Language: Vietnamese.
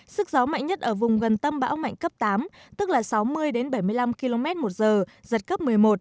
sức gió mạnh nhất ở vùng gần tâm bão mạnh cấp tám tức là sáu mươi bảy mươi năm km một giờ giật cấp một mươi một